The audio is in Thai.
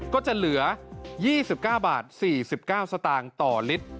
ก็จะเหลือ๒๙บาท๔๙สตางค์ต่อลิตร